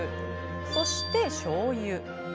そして、しょうゆ。